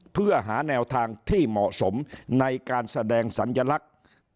เพื่อหาแนวทางที่เหมาะสมในการแสดงสัญลักษณ์